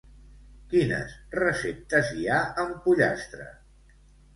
Quines receptes hi ha amb pollastre?